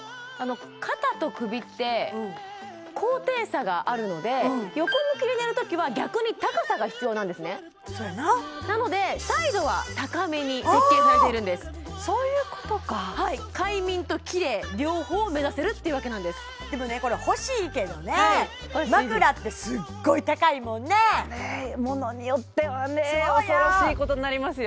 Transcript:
肩と首って高低差があるので横向きに寝る時は逆に高さが必要なんですねそやななのでサイドは高めに設計されているんですそういうことかはい快眠とキレイ両方目指せるっていうわけなんですでもねこれ欲しいけどね枕ってすっごい高いもんねねえ物によってはねそうよ恐ろしいことになりますよ